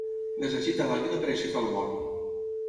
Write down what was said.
Les agita l'àguila per aixecar el vol.